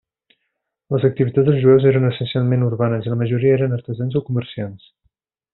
Les activitats dels jueus eren essencialment urbanes, i la majoria eren artesans o comerciants.